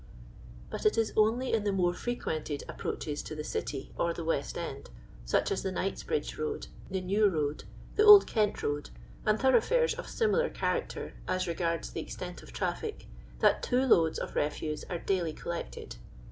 But it is only in the more frequented ap proaches to the City or the West end, such as the Knightsbridge road, the New road, the Old Kent road, and thoroughfiguvs of similar character as re gards the extent of traffic, that two loads of refuse are daily collected.